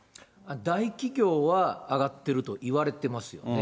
大企業は上がってるといわれてますよね。